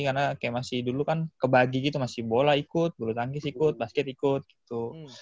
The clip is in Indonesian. karena kayak masih dulu kan kebagi gitu masih bola ikut bulu tangkis ikut basket ikut gitu